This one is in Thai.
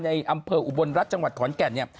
ในอำเภออุบลรัฐจังหวัดขอนแก่นเนี่ย